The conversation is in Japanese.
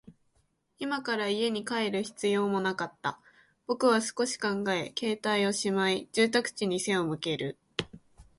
今から家に帰る必要もなかった。僕は少し考え、携帯をしまい、住宅地に背を向ける。